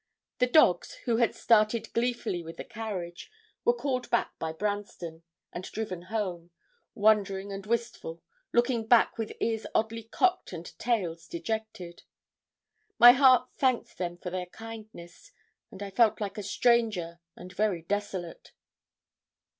The dogs, who had started gleefully with the carriage, were called back by Branston, and driven home, wondering and wistful, looking back with ears oddly cocked and tails dejected. My heart thanked them for their kindness, and I felt like a stranger, and very desolate.